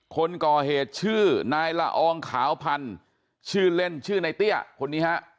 คนก่อเหตุชื่อนายละอองขาวพันธุ์ชื่อเล่นชื่อในเตี้ยคนนี้ฮะ